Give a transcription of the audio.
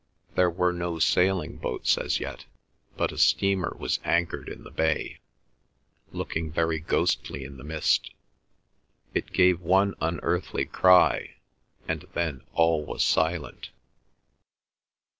There were no sailing boats as yet, but a steamer was anchored in the bay, looking very ghostly in the mist; it gave one unearthly cry, and then all was silent.